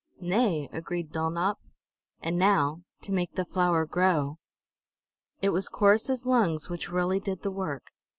"Nay," agreed Dulnop. "And now to make the flower grow!" It was Corrus's lungs which really did the work.